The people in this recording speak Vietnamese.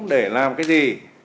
để làm cái gì